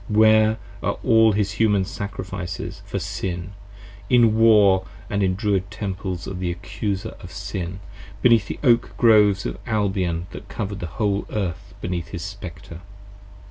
where are all his Human Sacrifices For Sin, in War & in the Druid Temples of the Accuser of Sin; beneath 50 The Oak Groves of Albion that cover'd the whole Earth beneath his Spectre?